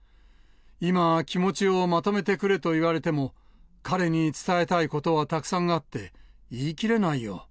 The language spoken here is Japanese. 今、気持ちをまとめてくれと言われても、彼に伝えたいことはたくさんあって、言い切れないよ。